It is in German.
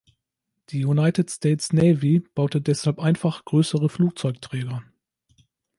Die United States Navy baute deshalb einfach größere Flugzeugträger.